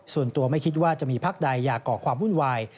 ส่วนตัวไม่คิดว่าจะมีพักใดอยากก่อความวุ่นวาย